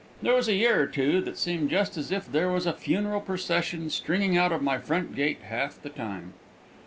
There was a year or two that seemed just as if there was a funeral procession stringing out of my front gate half the time.